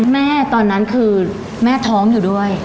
ตอนนั้นคือแม่ท้องอยู่ด้วย